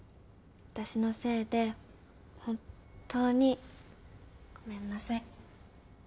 私のせいで本っ当にごめんなさい。